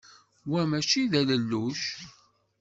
Wa mačči d alelluc!